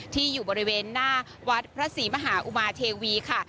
ที่อยู่บริเวณหน้าวัดพระศรีมหาอุมาเทวีค่ะ